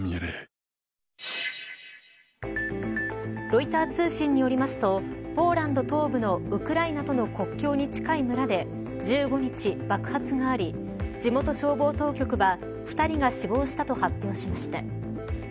ロイター通信によりますとポーランド東部のウクライナとの国境に近い村で１５日爆発があり地元消防当局は２人が死亡したと発表しました。